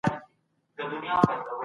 کله به حکومت نوی حکومت په رسمي ډول وڅیړي؟